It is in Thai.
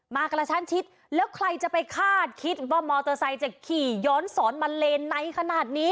มากระชั้นชิดแล้วใครจะไปคาดคิดว่ามอเตอร์ไซค์จะขี่ย้อนสอนมาเลนในขนาดนี้